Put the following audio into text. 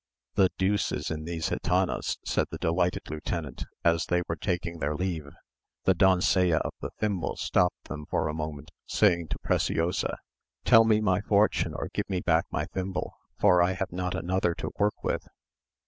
"The deuce is in these gitanas," said the delighted lieutenant, as they were taking their leave. The doncella of the thimble stopped them for a moment, saying to Preciosa, "Tell me my fortune, or give me back my thimble, for I have not another to work with."